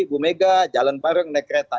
bu mega jalan paru yang naik kereta